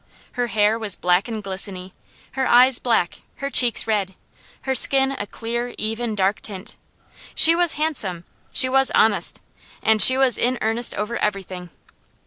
Her hair was black and glisteny, her eyes black, her cheeks red, her skin a clear, even dark tint. She was handsome, she was honest, and she was in earnest over everything.